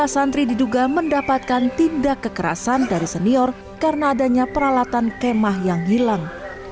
lima santri diduga mendapatkan tindak kekerasan dari senior karena adanya peralatan kemah yang hilang